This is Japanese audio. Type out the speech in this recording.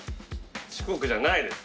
四国じゃないです。